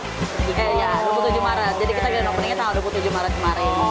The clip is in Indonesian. kayaknya dua puluh tujuh maret jadi kita green openingnya tanggal dua puluh tujuh maret kemarin